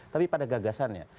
tapi pada gagasannya